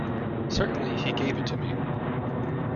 Certainly he gave it to me.